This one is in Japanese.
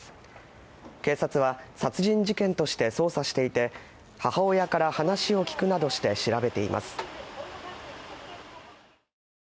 警察は殺人事件として捜査していて母親から話を聞くなどして調べています。